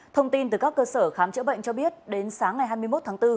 thông tin từ các cơ sở khám chữa bệnh cho biết đến sáng ngày hai mươi một tháng bốn